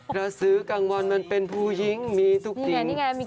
กระสือกลางวันมันเป็นผู้หญิงมีทุกสิ่ง